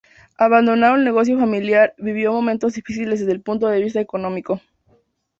Abandonado el negocio familiar vivió momentos difíciles desde el punto de vista económico.